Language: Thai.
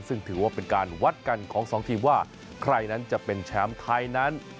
ซึ่งถือว่าเป็นการวัดกันของสองทีมว่าใครนั้นจะเป็นแชมป์ไทยนั้น